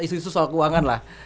isu isu soal keuangan lah